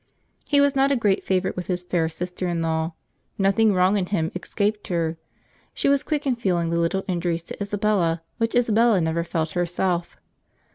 He was not a great favourite with his fair sister in law. Nothing wrong in him escaped her. She was quick in feeling the little injuries to Isabella, which Isabella never felt herself.